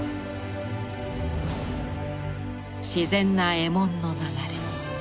自然な衣文の流れ。